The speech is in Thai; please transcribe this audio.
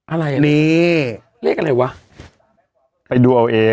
อะไรนี่เลขอะไรวะไปดูเอาเอง